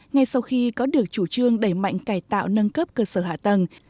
ngay sau khi có được chủ trương đẩy mạnh cải tạo nâng cấp cơ sở hạ tầng